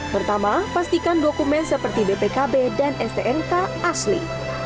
pertama pastikan dokumen seperti bpkb dan stnk asli